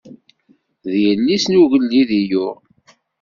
D yelli-s n ugellid i yuɣ.